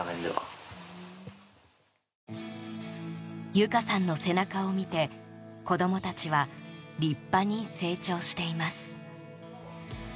由香さんの背中を見て子供たちは立派に成長しています。